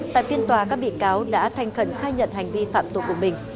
tại phiên tòa các bị cáo đã thành khẩn khai nhận hành vi phạm tội của mình